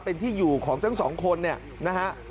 เป็นที่อยู่ของทั้งสองคนเนี่ยนะฮะ